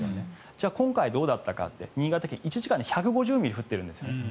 じゃあ今回どうだったか新潟県、１時間で１５０ミリ降ってるんですね。